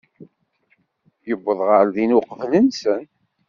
Yuweḍ ɣer din uqbel-nsen.